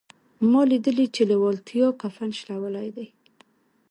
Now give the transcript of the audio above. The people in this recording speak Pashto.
ما ليدلي چې لېوالتیا کفن شلولی دی.